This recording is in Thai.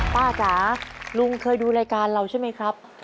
จ๋าลุงเคยดูรายการเราใช่ไหมครับ